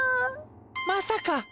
まさか？